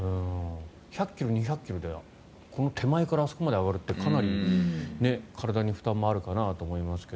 １００ｋｇ、２００ｋｇでこの手前からあそこまで上がるってかなり体に負担もあるかなと思いますが。